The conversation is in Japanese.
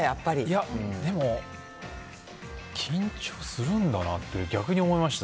いや、でも、緊張するんだなって、逆に思いました。